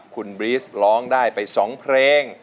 คุณบรีสร้องได้ไป๒เพลง